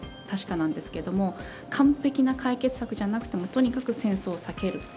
確かなんですけれども完璧な解決策じゃなくてもとにかく戦争を避ける。